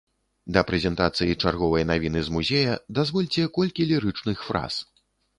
Да прэзентацыі чарговай навіны з музея дазвольце колькі лірычных фраз.